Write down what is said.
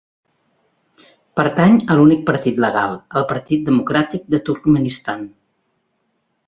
Pertany a l'únic partit legal, el Partit Democràtic de Turkmenistan.